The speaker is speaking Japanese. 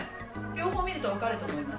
両方見ると分かると思います。